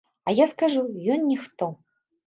А я скажу, ён ніхто.